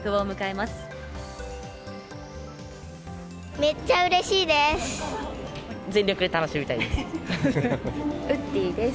めっちゃうれしいです。